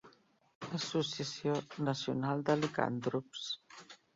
Associació nacional de licantrops.